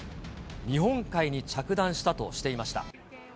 日本海に着弾したとしていました。